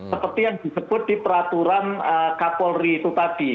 seperti yang disebut di peraturan kapolri itu tadi